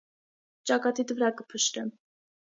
ճակատիդ վրա կփշրեմ: